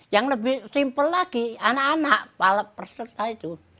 yang lebih simpel lagi anak anak para peserta itu